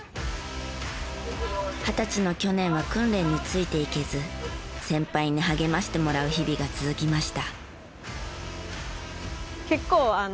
二十歳の去年は訓練についていけず先輩に励ましてもらう日々が続きました。